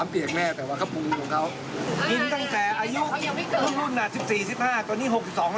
เปลี่ยนแค่กินกันอย่างนี้